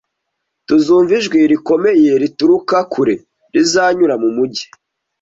Tuzumva ijwi rikomeye rituruka kure rizanyura mu mujyi